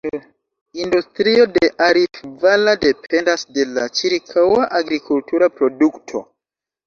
Industrio de Arifvala dependas de la ĉirkaŭa agrikultura produkto.